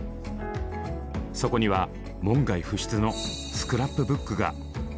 そこには門外不出のスクラップブックが！